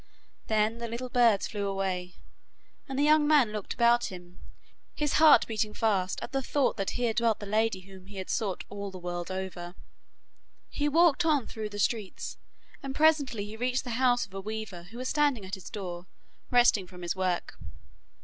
Then the birds flew away, and the young man looked about him, his heart beating fast at the thought that here dwelt the lady whom he had sought all the world over. He walked on through the streets, and presently he reached the house of a weaver who was standing at his door, resting from his work.